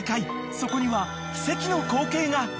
そこには奇跡の光景が。